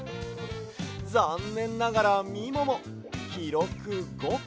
ざんねんながらみももきろく５こ。